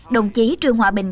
đồng chí trương hòa bình